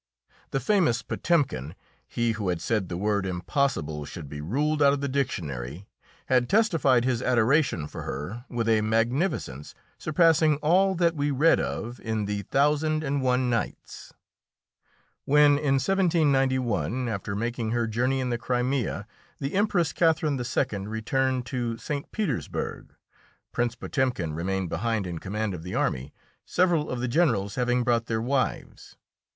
The famous Potemkin he who had said the word "impossible" should be ruled out of the dictionary had testified his adoration for her with a magnificence surpassing all that we read of in the "Thousand and One Nights." When, in 1791, after making her journey in the Crimea, the Empress Catherine II. returned to St. Petersburg, Prince Potemkin remained behind in command of the army, several of the generals having brought their wives.